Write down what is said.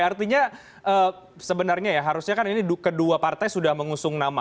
artinya sebenarnya ya harusnya kan ini kedua partai sudah mengusung nama